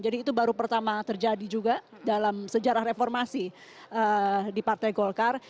jadi itu baru pertama terjadi juga dalam sejarah reformasi di partai golkar